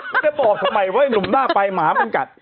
ไม่ได้บอกทำไมว่าให้ลุ่มหน้าไปหมามันกัด